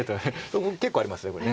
ここ結構ありますこれ。